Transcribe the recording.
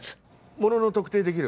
モノの特定できる？